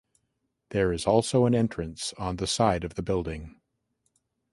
There is also an entrance on the side of the building.